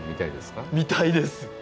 見たいですか？